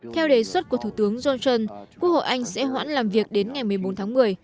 theo đề xuất của thủ tướng johnson quốc hội anh sẽ hoãn làm việc đến ngày một mươi bốn tháng một mươi